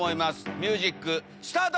ミュージックスタート！